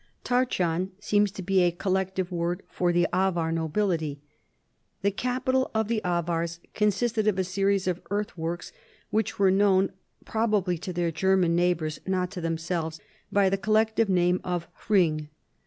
TarcUan seems to be a collective word for the Avar nobility. The capital of the Avars consisted of a series of earthworks, which were known (probably to their German neighbors, not to themselves) by the collect ive name of the Ilring.